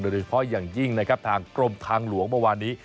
โดยเฉพาะอย่างยิ่งนะครับทางกรมทางหลวงเมื่อวานนี้